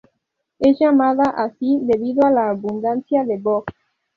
Es llamada así debido a la abundancia de boj.